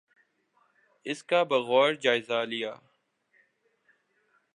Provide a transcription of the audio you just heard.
اس کا بغور جائزہ لیا۔